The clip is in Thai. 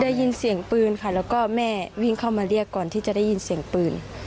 ได้ยินเสียงปืนค่ะแล้วก็แม่วิ่งเข้ามาเรียกก่อนที่จะได้ยินเสียงปืน